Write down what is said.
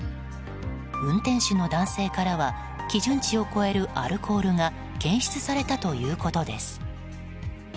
運転手の男性からは基準値を超えるアルコールが検出されたということです。